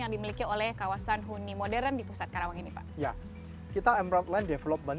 yang dimiliki oleh kawasan huni modern di pusat karawang ini pak ya kita emroh land development